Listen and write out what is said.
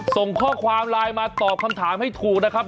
ส่งข้อความไลน์มาตอบคำถามให้ถูกนะครับ